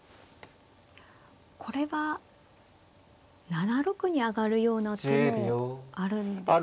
これは７六に上がるような手もあるんですか。